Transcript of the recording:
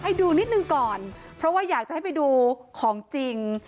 ดูนิดหนึ่งก่อนเพราะว่าอยากจะให้ไปดูของจริง